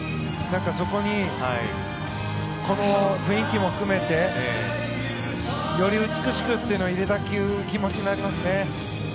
そこにこの雰囲気も含めてより美しくっていうのを入れたい気持ちになりますね。